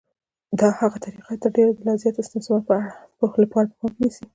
هغه دا طریقه تر ډېره د لا زیات استثمار لپاره په پام کې نیسي